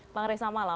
bang ray selamat malam